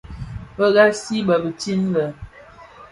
Bëghasi bèè dhitin la?